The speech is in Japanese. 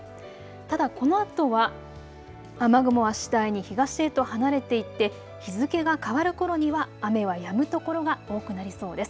ただ、このあとは雨雲は次第に東へと離れていって日付が変わるころには雨はやむ所が多くなりそうです。